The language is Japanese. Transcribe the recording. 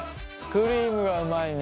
クリームがうまいね。